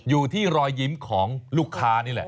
อยู่ที่รอยยิ้มของลูกค้านี่แหละ